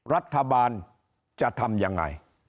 รัฐบาลจะทำยังไง